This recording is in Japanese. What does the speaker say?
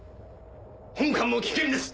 本艦も危険です